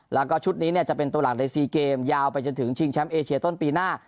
แล้วก็ชุดนี้จะเป็นตัวหลังใน๔เกมยาวไปจนถึงชิงแชมป์เอเชียต้นปีหน้า